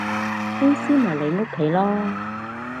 公司咪你屋企囉